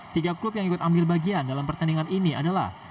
tiga klub yang ikut ambil bagian dalam pertandingan ini adalah